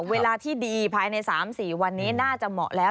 เวลาที่ดีภายใน๓๔วันนี้น่าจะเหมาะแล้ว